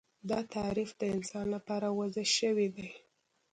دا تعریف د انسان لپاره وضع شوی دی